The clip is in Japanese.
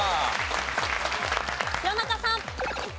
弘中さん。